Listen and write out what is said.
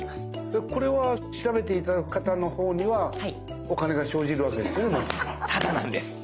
でこれは調べて頂く方のほうにはお金が生じるわけですね？